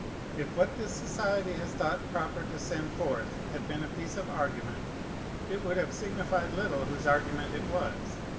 If what this society has thought proper to send forth had been a piece of argument, it would have signified little whose argument it was.